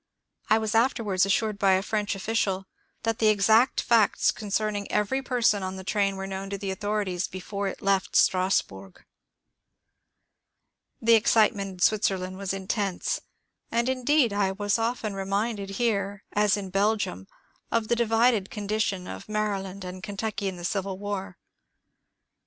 I was afterwards assured by a French official that the exact facts concerning every person on the train were known to the authorities before it left Stras burg. The excitement in Switzerland was intense ; and indeed I was often reminded here, as in Belgium, of the divided con dition of Maryland and Kentucky in the civil war.